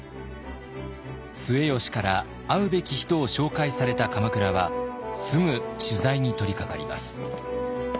末吉から会うべき人を紹介された鎌倉はすぐ取材に取りかかります。